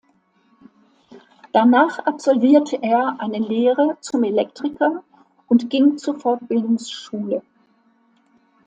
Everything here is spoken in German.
Danach absolvierte er eine Lehre zum Elektriker und ging zur Fortbildungsschule.